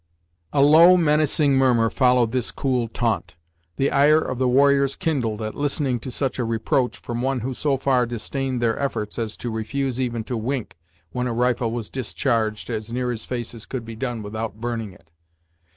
A low menacing murmur followed this cool taunt. The ire of the warriors kindled at listening to such a reproach from one who so far disdained their efforts as to refuse even to wink when a rifle was discharged as near his face as could be done without burning it.